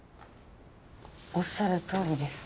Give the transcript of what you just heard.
おっしゃるとおりです